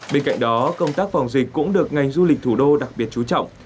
bên cạnh đó công tác phòng dịch cũng được ngành du lịch thủ đô đặc biệt chú trọng